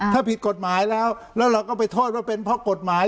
ถ้าผิดกฎหมายแล้วแล้วเราก็ไปโทษว่าเป็นเพราะกฎหมาย